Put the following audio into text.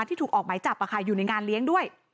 ที่ถูกออกไม้จับอ่ะค่ะอยู่ในงานเลี้ยงด้วย